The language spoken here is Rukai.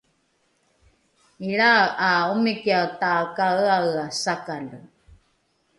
ilrae ’a omikiae takaeaea sakale